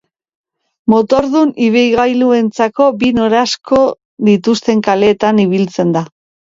Motordun ibilgailuentzako bi noranzko dituzten kaleetan ibiltzen da.